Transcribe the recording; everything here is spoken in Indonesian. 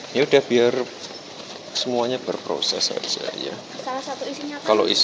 kalau tim hukumnya kami selalu siap